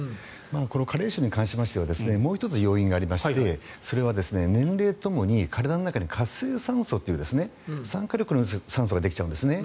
加齢臭に関してはもう１つ、要因がありましてそれは年齢とともに体の中に活性酸素という酸化力のある酸素ができちゃうんですね。